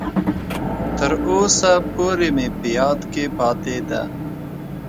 تر اوسه پورې مې په یاد کې پاتې ده.